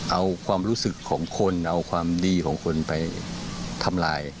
เอาความรู้สึกของคนเอาความดีของคนไปทำลาย